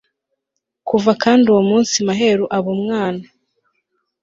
kuva kandi uwo munsi maheru aba umwana